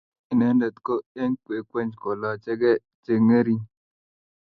Inendet ko eng kwekeny kolachekei chengering